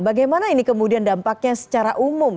bagaimana ini kemudian dampaknya secara umum